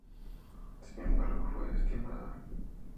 Sin embargo fue desestimada.